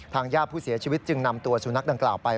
ญาติผู้เสียชีวิตจึงนำตัวสุนัขดังกล่าวไป